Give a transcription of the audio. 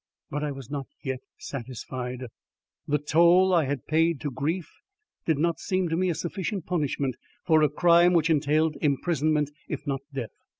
But I was not yet satisfied. The toll I had paid to Grief did not seem to me a sufficient punishment for a crime which entailed imprisonment if not death.